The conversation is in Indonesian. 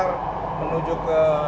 ke tempat yang kita